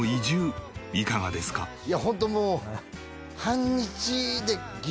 いやホントもう。